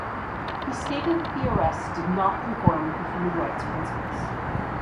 He stated that the arrests "did not conform with the human rights principles".